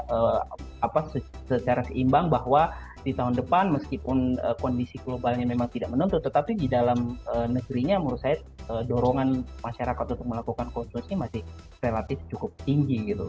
sehingga menurut saya ini yang kita juga boleh seimbang bahwa di tahun depan meskipun kondisi globalnya memang tidak menentu tetapi di dalam negerinya menurut saya dorongan masyarakat untuk melakukan konsulsi masih relatif cukup tinggi gitu